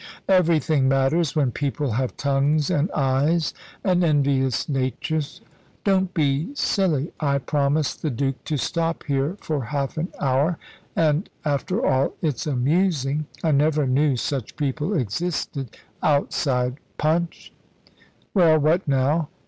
"Everything matters, when people have tongues and eyes, and envious natures. Don't be silly. I promised the Duke to stop here for half an hour. And after all, it's amusing. I never knew such people existed outside Punch. Well what now?"